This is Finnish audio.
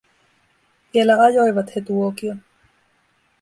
Vielä ajoivat he tuokion.